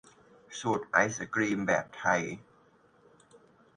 สูตรไอศกรีมแบบไทย